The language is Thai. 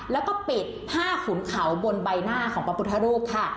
แล้วก็ปิดผ้าขุนเขาบนใบหน้าของพระพุทธรูปค่ะ